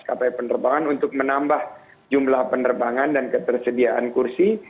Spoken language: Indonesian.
kpai penerbangan untuk menambah jumlah penerbangan dan ketersediaan kursi